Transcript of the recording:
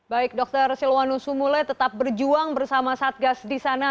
baik dr silwanus sumule tetap berjuang bersama satgas di sana